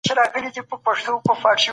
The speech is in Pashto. په کتاب کې تاریخي